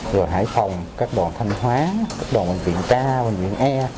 rồi hải phòng các đoàn thanh hóa các đoàn bệnh viện ca bệnh viện e